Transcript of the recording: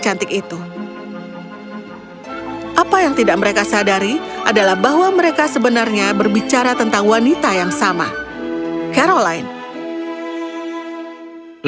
apa yang mereka tidak sadari adalah bahwa mereka sebenarnya berbicara tentang wanita yang sama caroline